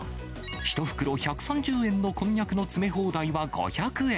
１袋１３０円のこんにゃくの詰め放題は５００円。